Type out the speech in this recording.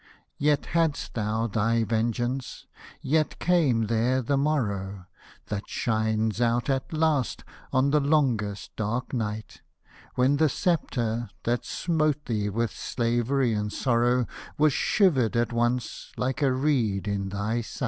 Yet hadst thou thy vengeance — yet came there the morrow, That shines out, at last, on the longest dark night, When the sceptre, that smote thee with slavery and sorrow, Was shivered at once, like a reed, in thy sight.